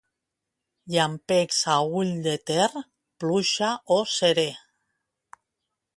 Llampecs a Ull de Ter, pluja o serè.